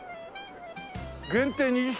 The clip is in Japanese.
「限定２０食」